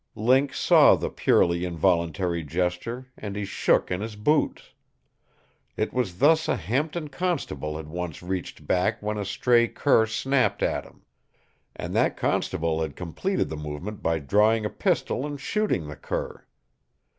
Link saw the purely involuntary gesture, and he shook in his boots. It was thus a Hampton constable had once reached back when a stray cur snapped at him. And that constable had completed the movement by drawing a pistol and shooting the cur.